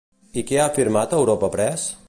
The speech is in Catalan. I què ha afirmat a Europa Press?